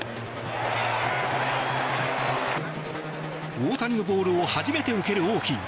大谷のボールを初めて受けるオーキー。